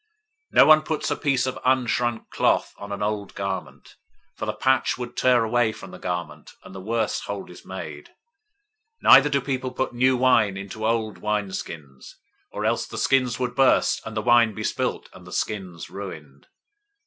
009:016 No one puts a piece of unshrunk cloth on an old garment; for the patch would tear away from the garment, and a worse hole is made. 009:017 Neither do people put new wine into old wineskins, or else the skins would burst, and the wine be spilled, and the skins ruined.